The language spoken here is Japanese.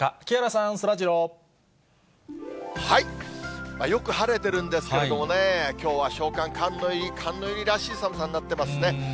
木原さん、そらジロー。よく晴れてるんですけれどもね、きょうは小寒、寒の入り、寒の入りらしい寒さになってますね。